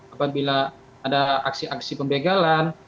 apabila ada aksi aksi pembegalan